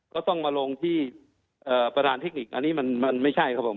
ก็ต้องมาลงที่ประธานเทคนิคอันนี้มันไม่ใช่ครับผม